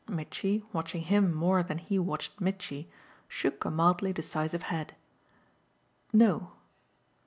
Mitchy, watching him more than he watched Mitchy, shook a mildly decisive head. "No."